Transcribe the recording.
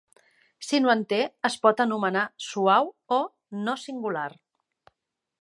Si no en té, es pot anomenar "suau" o "no singular".